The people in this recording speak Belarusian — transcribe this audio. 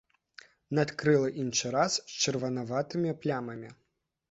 Надкрылы іншы раз з чырванаватымі плямамі.